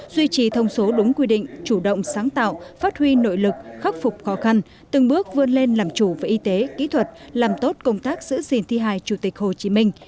duy trì thông số đúng quy định chủ động sáng tạo phát huy nội lực khắc phục khó khăn từng bước vươn lên làm chủ về y tế kỹ thuật làm tốt công tác giữ gìn thi hài chủ tịch hồ chí minh